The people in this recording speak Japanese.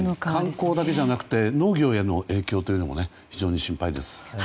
観光だけじゃなくて農業への影響も非常に心配です。